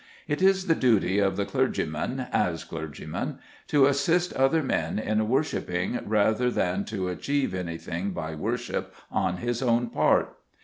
It is the duty of the clergyman, as clergyman, to assist other men in worshipping rather than to achieve anything by worship on his own part.